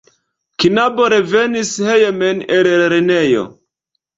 Knabo revenas hejmen el lernejo.